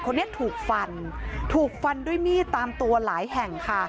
คนนี้ถูกฟันถูกฟันด้วยมีดตามตัวหลายแห่งค่ะ